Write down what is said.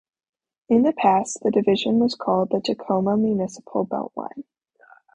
In the past, the division was called the Tacoma Municipal Belt Line.